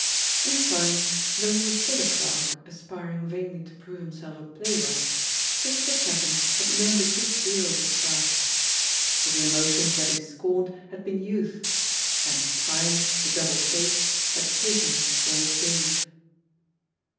In fine, though he was still a clerk, aspir ing vainly to prove himself a playwright, Chris topher Tatham had learnt a good deal of his craft. But the emotions that he scorned had been Youth — and Time, the double faced, had taken while it gave.